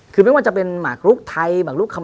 คือไม่ว่าจะเป็นหมากรุกไทยหมากลุกคำ